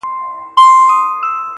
مینه د خداے مینه بېلې بېلې جامې واغوندې